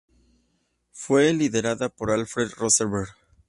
Fue liderada por Alfred Rosenberg.